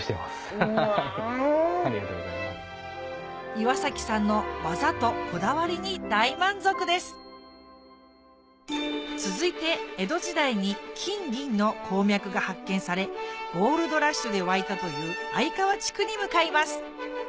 岩さんの技とこだわりに大満足です続いて江戸時代に金銀の鉱脈が発見されゴールドラッシュで沸いたという相川地区に向かいます